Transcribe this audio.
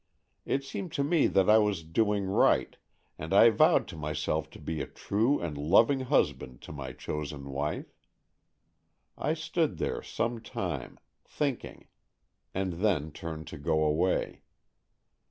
It seemed to me that I was doing right, and I vowed to myself to be a true and loving husband to my chosen wife. I stood there some time, thinking, and then turned to go away.